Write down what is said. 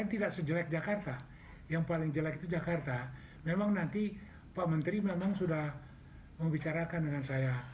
tidak sejelek jakarta yang paling jelek itu jakarta memang nanti pak menteri memang sudah membicarakan dengan saya